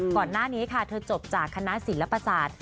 ก่อนหน้านี้ค่ะเธอจบจากคณะศิลปศาสตร์